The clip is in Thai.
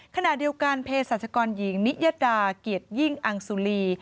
ขณะเดียวกันเพศรัชกรหญิงนิยดาเกียรติยิ่งอังสุรี